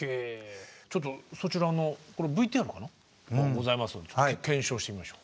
ちょっとそちらのＶＴＲがございますので検証してみましょう。